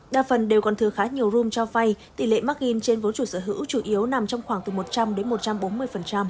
đa phần đều còn thừa khá nhiều room cho vay tỷ lệ markin trên vốn chủ sở hữu chủ yếu nằm trong khoảng từ một trăm linh đến một trăm bốn mươi